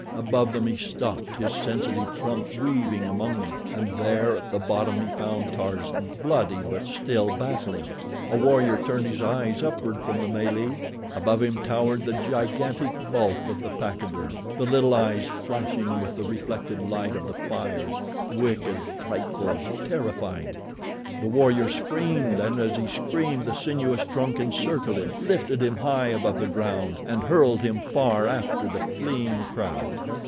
Above them he stopped, his sensitive trunk weaving among them, and there, at the bottom, he found Tarzan, bloody, but still battling. A warrior turned his eyes upward from the melee. Above him towered the gigantic bulk of the pachyderm, the little eyes flashing with the reflected light of the fires wicked, frightful, terrifying. The warrior screamed, and as he screamed, the sinuous trunk encircled him, lifted him high above the ground, and hurled him far after the fleeing crowd.